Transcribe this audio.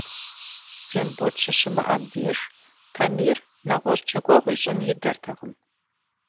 Тембот щыщымыӀэм деж, Тамир нэгъуэщӀ джэгуэгъу ищӀын идэртэкъым.